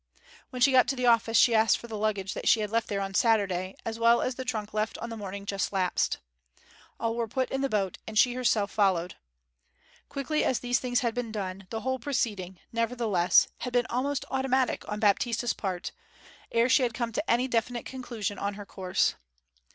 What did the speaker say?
When she got to the office she asked for the luggage that she had left there on the Saturday as well as the trunk left on the morning just lapsed. All were put in the boat, and she herself followed. Quickly as these things had been done, the whole proceeding, nevertheless, had been almost automatic on Baptista's part, ere she had come to any definite conclusion on her course.